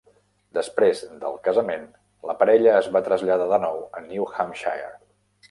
Després del casament, la parella es va traslladar de nou a New Hampshire.